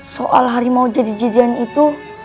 soal hari mau jadi jadian itu